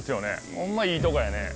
ホンマいいトコやね。